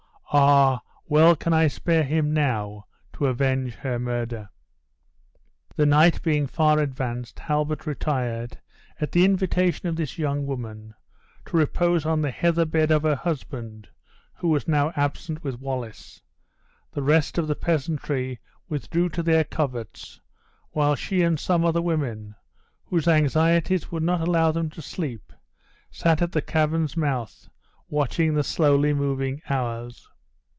Ah! well can I spare him now to avenge her murder." The night being far advanced, Halbert retired, at the invitation of this young woman, to repose on the heather bed of her husband who was now absent with Wallace. The rest of the peasantry withdrew to their coverts, while she and some other women, whose anxieties would not allow them to sleep, sat at the cavern's mouth watching the slowly moving hours.